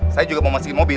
saya juga mau masukin mobil